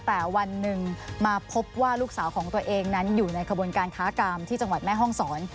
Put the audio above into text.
แต่วันหนึ่งมาพบว่าลูกสาวของตัวเองนั้นอยู่ในขบวนการค้ากามที่จังหวัดแม่ห้องศร